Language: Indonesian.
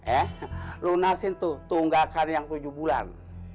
eh lu nasin tuh tunggakan yang tujuh bulan